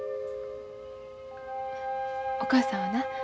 お母さんはな